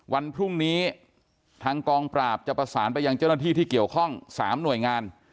วันพรุ่งนี้ทางกองปราบจะประสานไปยังเจ้าหน้าที่ที่เกี่ยวข้อง๓หน่วยงาน